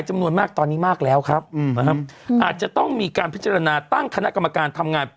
มากตอนนี้มากแล้วครับอาจจะต้องมีการพัฒนาตั้งคณะกรรมการทำงาน